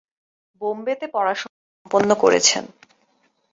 বোম্বেতে পড়াশোনা সম্পন্ন করেছেন।